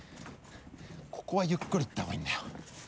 ここはゆっくりいった方がいいんだよ。